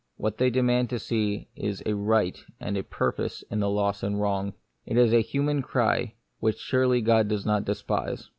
What they demand is to see a right and purpose in the loss and wrong. It is a human cry, which surely God does not despise.